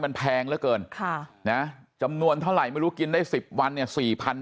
มันแพงเหลือเกินค่ะนะจำนวนเท่าไหร่ไม่รู้กินได้๑๐วันเนี่ย